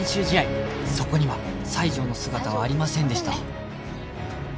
そこには西条の姿はありませんでした